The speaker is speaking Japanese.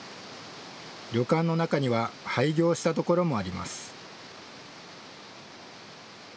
旅館の中には廃業したところもあります。